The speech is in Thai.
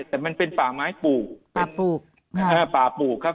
แต่มันเป็นป่าไม้ปลูกป่าปลูกครับ